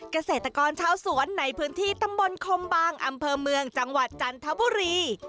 เกษตรกรชาวสวนในพื้นที่ตำบลคมบางอำเภอเมืองจังหวัดจันทบุรี